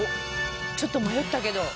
ちょっと迷ったけど。